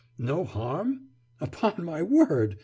'No harm? Upon my word!